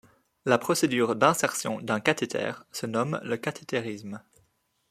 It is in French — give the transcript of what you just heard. La procédure d'insertion d'un cathéter se nomme le cathétérisme.